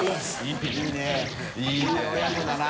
いいいい親子だな。